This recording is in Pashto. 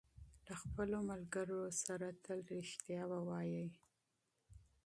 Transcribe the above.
له خپلو ملګرو سره تل رښتیا ووایئ.